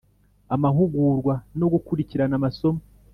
Amahugurwa no gukurikirana amasomo